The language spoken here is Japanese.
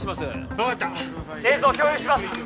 分かった映像を共有します